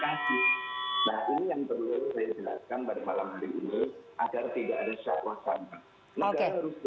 menuju satu negara yang berintegrasi antar seluruh pembajak